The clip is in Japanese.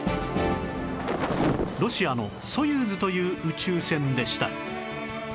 ロシアのソユーズという宇宙船でした